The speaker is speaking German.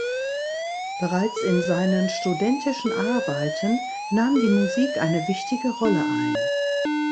Bereits in seinen studentischen Arbeiten nahm die Musik eine wichtige Rolle ein.